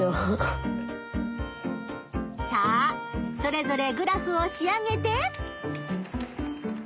さあそれぞれグラフを仕上げて。